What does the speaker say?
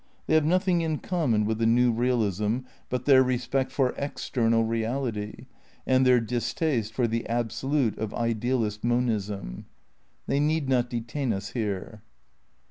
They have nothing in common with the new 15 16 THE NEW IDEALISM n realism but their respect for "external" reality and their distaste for the Absolxite of idealist monism. They need not detain us here.